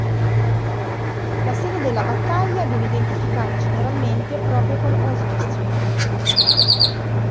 La sede della battaglia viene identificata generalmente proprio con Oswestry.